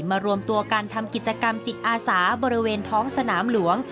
รวมตัวการทำกิจกรรมจิตอาสาบริเวณท้องสนามหลวง